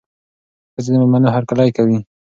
ښځه د مېلمنو هرکلی کوي.